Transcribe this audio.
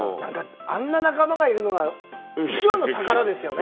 あんな仲間がいるのが一番の宝ですよね。